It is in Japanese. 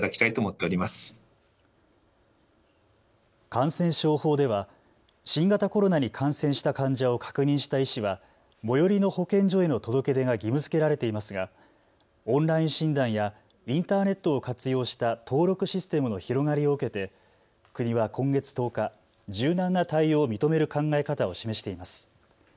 感染症法では新型コロナに感染した患者を確認した医師は最寄りの保健所への届け出が義務づけられていますが、オンライン診断やインターネットを活用した登録システムの広がりを受けて国は今月１０日、柔軟な対応を認める考え方を示しています。